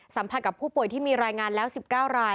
สัมผัสกับผู้ป่วยที่มีรายงานแล้ว๑๙ราย